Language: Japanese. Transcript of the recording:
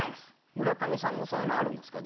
村上さんもそういうのあるんですか？